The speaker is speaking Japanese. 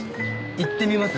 行ってみます？